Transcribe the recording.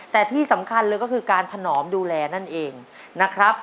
แต่ที่สำคัญเลยก็คือการถนอมดูแลนั่นเองนะครับ